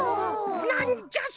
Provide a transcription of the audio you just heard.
なんじゃそりゃ！？